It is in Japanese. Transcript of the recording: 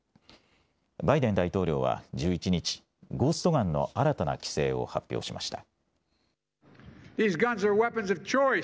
バイデン大統領は１１日、ゴースト・ガンの新たな規制を発表しました。